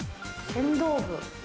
剣道部。